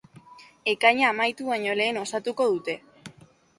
Ekaina amaitu baino lehen osatuko dute.